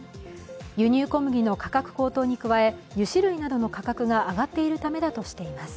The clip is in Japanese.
輸入小麦の価格高騰に加え油脂類などの価格が上がっているためだとしています。